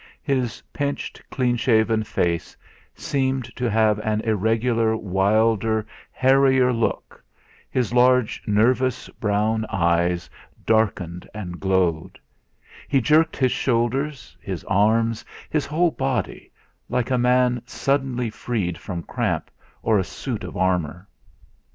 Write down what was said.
His pinched clean shaven face seemed to have an irregular, wilder, hairier look, his large nervous brown eyes darkened and glowed; he jerked his shoulders, his arms, his whole body, like a man suddenly freed from cramp or a suit of armour.